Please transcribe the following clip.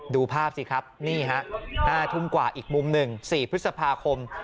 ดูภาพสิครับนี่ฮะ๕ทุ่มกว่าอีกมุมหนึ่ง๔พฤษภาคม